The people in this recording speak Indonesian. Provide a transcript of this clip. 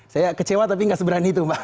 saya kecewa tapi gak seberani tuh pak